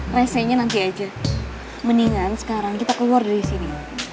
rese nya nanti aja mendingan sekarang kita keluar dari sini